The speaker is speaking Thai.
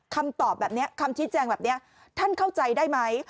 คำตอบแบบนี้คำชี้แจงแบบนี้ท่านเข้าใจได้ไหม